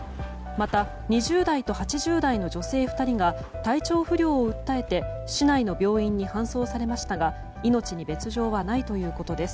また２０代と８０代の女性２人が体調不良を訴えて市内の病院に搬送されましたが命に別状はないということです。